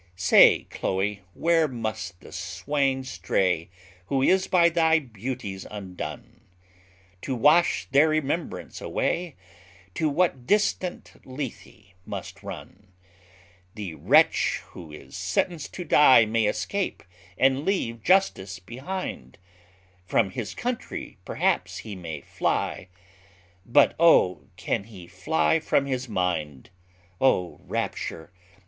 Say, Chloe, where must the swain stray Who is by thy beauties undone? To wash their remembrance away, To what distant Lethe must run? The wretch who is sentenced to die May escape, and leave justice behind; From his country perhaps he may fly, But oh! can he fly from his mind? O rapture!